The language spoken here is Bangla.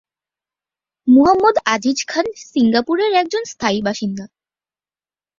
মুহাম্মদ আজিজ খান সিঙ্গাপুরের একজন স্থায়ী বাসিন্দা।